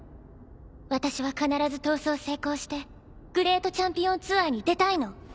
私は必ず逃走成功してグレートチャンピオンツアーに出たいの。